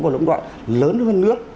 còn lỗng đoạn lớn hơn nước